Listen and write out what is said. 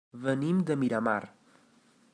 Venim de Miramar.